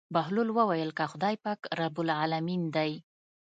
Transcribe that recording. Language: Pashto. بهلول وويل که خداى پاک رب العلمين دى.